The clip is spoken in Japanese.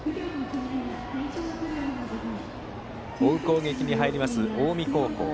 追う攻撃に入ります、近江高校。